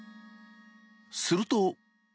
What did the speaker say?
すると。